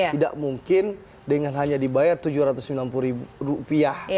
tidak mungkin dengan hanya dibayar tujuh ratus sembilan puluh ribu rupiah